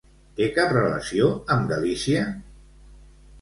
Té cap relació amb Galícia?